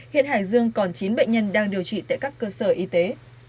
hiện hải dương còn chín bệnh nhân đang điều trị tại các cơ sở y tế